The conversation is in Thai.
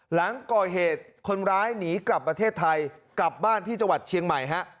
หลังก่อเหตุคนร้ายหนีกลับประเทศไทยกลับบ้านที่จังหวัดเชียงใหม่ฮะ